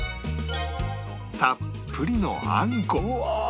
たっぷりのあんこうわー！